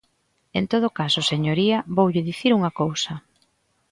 En todo caso, señoría, voulle dicir unha cousa.